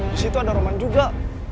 disitu ada roman juga